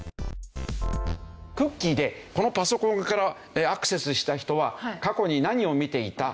クッキーでこのパソコンからアクセスした人は過去に何を見ていた。